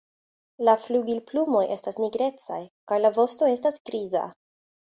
La flugilplumoj estas nigrecaj kaj la vosto estas griza.